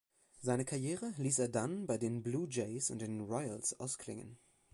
Seine Karriere ließ er dann bei den Blue Jays und den Royals ausklingen.